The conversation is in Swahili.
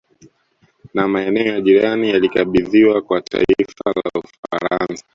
Na maeneo ya jirani yalikabidhiwa kwa taifa la Ufaransa